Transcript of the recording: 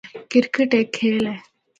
کرکٹ ہک کھیل ہے۔